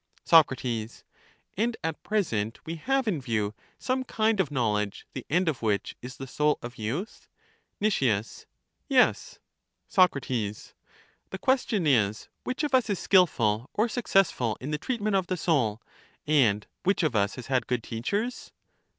Soc, And at present we have in view some kind of knowledge, the end of which is the soul of youth? Nic, Yes. Soc, The question is. Which of us is skilful or suc cessful in the treatment of the soul, and which of us has had good teachers?